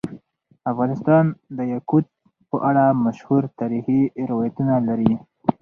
افغانستان د یاقوت په اړه مشهور تاریخی روایتونه لري.